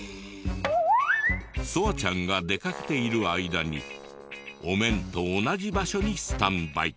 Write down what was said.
そあちゃんが出かけている間にお面と同じ場所にスタンバイ。